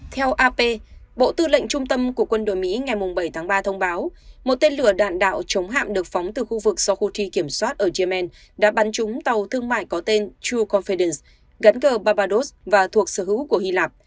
theo ap bộ tư lệnh trung tâm của quân đội mỹ ngày bảy tháng ba thông báo một tên lửa đạn đạo chống hạm được phóng từ khu vực do houthi kiểm soát ở yemen đã bắn trúng tàu thương mại có tên true confidence gắn cờ barbados và thuộc sở hữu của hy lạp